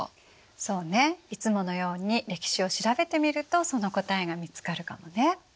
そうねいつものように歴史を調べてみるとその答えが見つかるかもね。